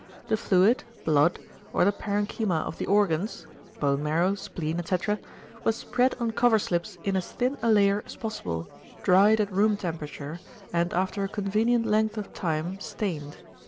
The fluid (blood) or the parenchyma of the organs (bone marrow, spleen, etc.) was spread on cover slips in as thin a layer as possible, dried at room temperature, and after a convenient length of time stained.